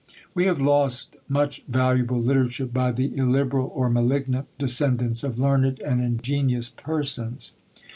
We have lost much valuable literature by the illiberal or malignant descendants of learned and ingenious persons.